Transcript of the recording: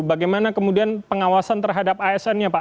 bagaimana kemudian pengawasan terhadap asn nya pak